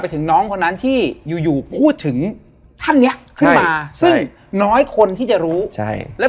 เป็นแก๊งทำบุญนะจ๊ะ